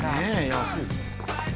安い